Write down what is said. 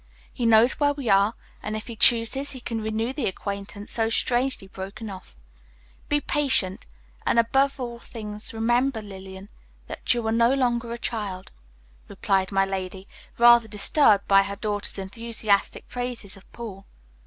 He knows where we are, and if he chooses he can renew the acquaintance so strangely broken off. Be patient, and above all things remember, Lillian, that you are no longer a child," replied my lady, rather disturbed by her daughter's enthusiastic praises of Paul.